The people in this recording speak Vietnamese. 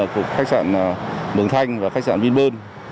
cục khách sạn mường thanh và khách sạn vinh bơn